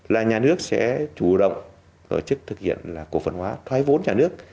là nhà nước sẽ chủ động tổ chức thực hiện là cổ phần hóa thoái vốn nhà nước